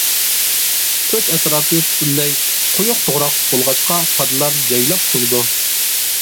تۆت ئەتراپى پۈتۈنلەي قويۇق توغراقلىق بولغاچقا پادىلار يايلاپ تۇرىدۇ.